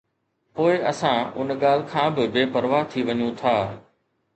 پوءِ اسان ان ڳالهه کان به بي پرواهه ٿي وڃون ٿا